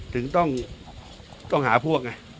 ถึงต้องต้องหาพวกไง